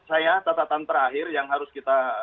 saya catatan terakhir yang harus kita